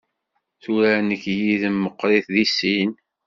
Tura nekk yid-m meqqrit i sin.